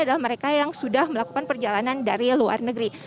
adalah mereka yang sudah melakukan perjalanan dari luar negeri